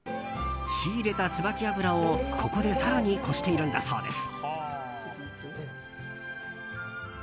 仕入れたツバキ油をここで更にこしているんだそうです。